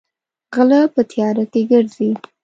غلۀ پۀ تيارۀ کښې ګرځي ـ